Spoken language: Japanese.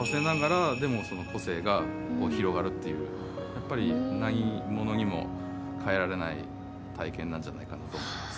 やっぱり何物にも代えられない体験なんじゃないかなと思います。